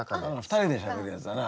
２人でしゃべるやつだな。